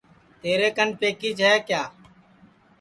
تیرے کن پکیچ ہے کیا